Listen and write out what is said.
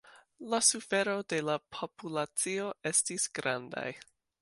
La sufero de la populacio estis grandaj.